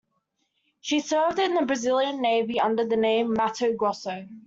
She served in the Brazilian Navy under the name "Mato Grosso".